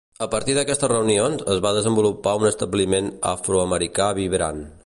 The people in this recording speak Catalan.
A partir d'aquestes reunions, es va desenvolupar un establiment afroamericà vibrant.